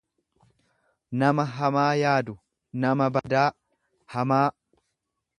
nama hamaa yaadu, nama badaa, hamaa.